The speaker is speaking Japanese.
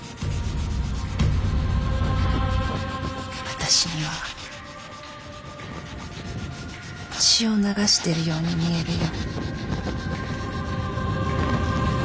私には血を流してるように見えるよ。